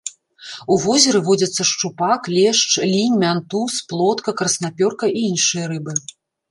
У возеры водзяцца шчупак, лешч, лінь, мянтуз, плотка, краснапёрка і іншыя рыбы.